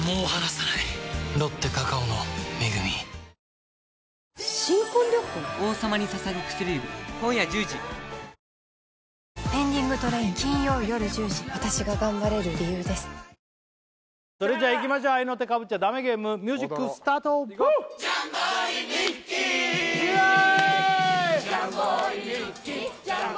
お化けフォーク⁉それじゃいきましょう合いの手かぶっちゃダメゲームミュージックスタートイエーイ！